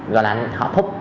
gọi là họ thúc